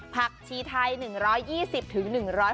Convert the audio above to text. ผักชีไทย๑๒๐๑๖๐บาทต่อกิโลกรัม